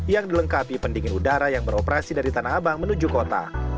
yang dilengkapi pendingin udara yang beroperasi dari tanah abang menuju kota